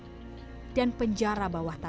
penjara wanita penjara pangeran di jawa tenggara